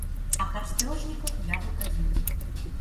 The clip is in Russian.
А картежников я бы казнил.